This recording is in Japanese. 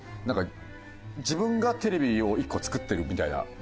自分がテレビを一個作ってるみたいな。